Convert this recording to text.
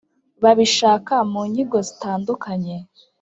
Babishaka mu nyigo zitandukanye